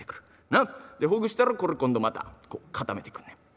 なっ？でほぐしたらこれ今度またこう固めてくんのや。